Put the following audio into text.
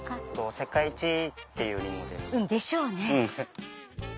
「世界一」っていうりんごです。でしょうね。